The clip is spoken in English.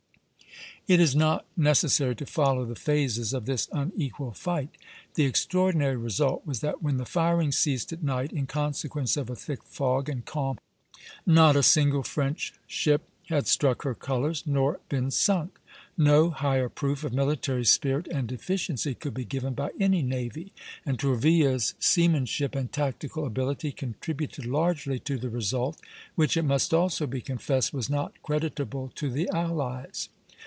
It is not necessary to follow the phases of this unequal fight; the extraordinary result was that when the firing ceased at night, in consequence of a thick fog and calm, not a single French ship had struck her colors nor been sunk. No higher proof of military spirit and efficiency could be given by any navy, and Tourville's seamanship and tactical ability contributed largely to the result, which it must also be confessed was not creditable to the allies.